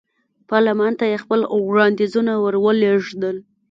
پارلمان ته یې خپل وړاندیزونه ور ولېږل.